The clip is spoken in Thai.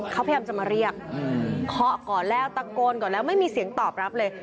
เขาพยายามจะมาเรียกเคาะก่อนแล้วตะโกนก่อนแล้วไม่มีเสียงตอบรับเลย